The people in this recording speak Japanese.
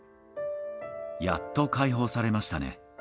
やっと解放されましたね。